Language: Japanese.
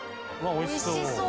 おいしそう！